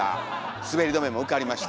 滑り止めも受かりました！